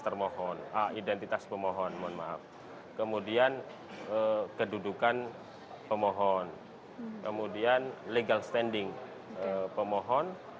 termohon identitas pemohon mohon maaf kemudian kedudukan pemohon kemudian legal standing pemohon